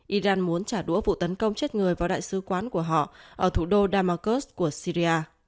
iran muốn trả đũa vụ tấn công chết người vào đại sứ quán của họ ở thủ đô damaskus của syria